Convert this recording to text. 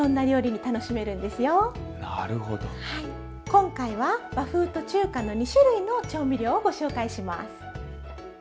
今回は和風と中華の２種類の調味料をご紹介します。